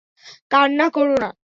কান্না করো না!